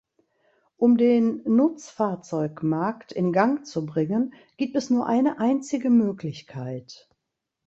Um den Nutzfahrzeugmarkt in Gang zu bringen, gibt es nur eine einzige Möglichkeit.